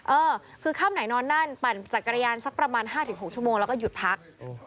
เออคือค่ำไหนนอนนั่นปั่นจักรยานสักประมาณ๕๖ชั่วโมงแล้วก็หยุดพัก